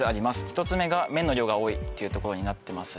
１つ目が麺の量が多いというところになってます